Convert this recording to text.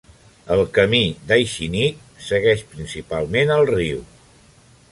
El camí d'Aishinik segueix principalment el riu.